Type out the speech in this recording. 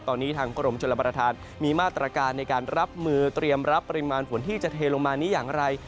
ตอนนี้ทางกรมชนประธานมีมาตรการในการรับมือเตรียมรับปริมาณฝนที่จะเทลงมานี้อย่างไร